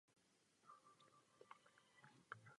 Postupně ale musí začít spolupracovat s dalšími vězni.